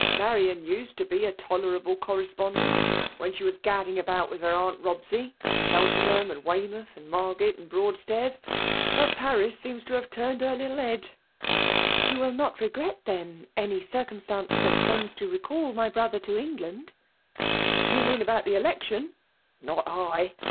Marian used to be a tolerable correspondent when she was gad* ding about with her aunt Sobsej to Chelten ham and Weymouth, Margate and Broad stairs. But Paris seems to have turned her little head." " You will not regret, then, any circumstance that tends to recall my brother to England?'' '' You mean about the election ? Not I